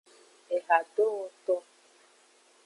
Ehadowoto.